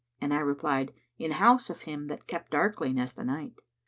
* And I replied, 'In house of him kept darkling as the night.'